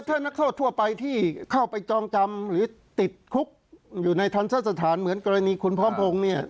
ถ้านักโทษทั่วไปที่เข้าไปจองจำหรือติดคุกอยู่ในทันทรสถานเหมือนกรณีคุณพร้อมพงศ์เนี่ย